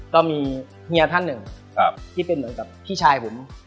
ก็มีเฮียท่านหนึ่งที่เป็นเหมือนกับพี่ชายผม